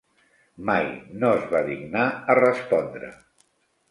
Mai no es va dignar a respondre.